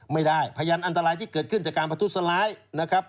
พยานอันตรายที่เกิดขึ้นจากการประทุษร้ายนะครับ